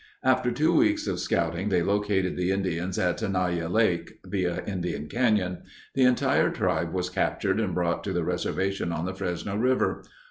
After two weeks of scouting they located the Indians at Tenaya Lake (via Indian Canyon). The entire tribe was captured and brought to the reservation on the Fresno River.